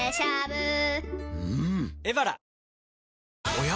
おや？